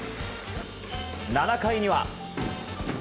７回には。